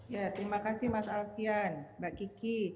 ya terima kasih mas alfian mbak kiki